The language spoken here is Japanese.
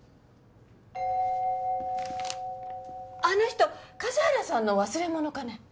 あの人笠原さんの忘れ物かね？